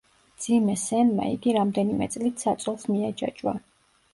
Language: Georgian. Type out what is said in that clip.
მძიმე სენმა იგი რამდენიმე წლით საწოლს მიაჯაჭვა.